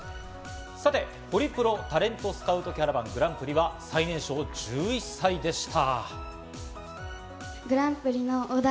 ホリプロタレントスカウトキャラバン、グランプリは最年少１１歳でした。